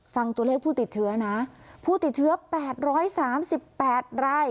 ฟังตัวเลขผู้ติดเชื้อนะผู้ติดเชื้อแปดร้อยสามสิบแปดราย